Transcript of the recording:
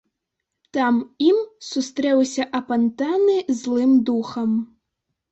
Там ім сустрэўся апантаны злым духам.